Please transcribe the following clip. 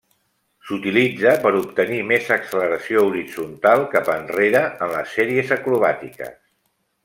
S'utilitza per obtenir més acceleració horitzontal cap enrere en les sèries acrobàtiques.